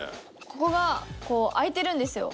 ここがこう開いてるんですよ。